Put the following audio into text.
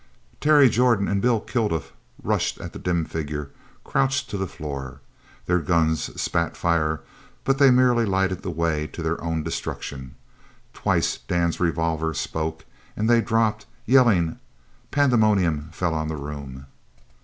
_" Terry Jordan and Bill Kilduff rushed at the dim figure, crouched to the floor. Their guns spat fire, but they merely lighted the way to their own destruction. Twice Dan's revolver spoke, and they dropped, yelling. Pandemonium fell on the room.